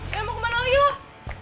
kayak mau kemana lagi loh